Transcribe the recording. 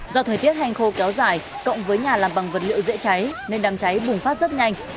do thời tiết hành khô kéo dài cộng với nhà làm bằng vật liệu dễ cháy nên đám cháy bùng phát rất nhanh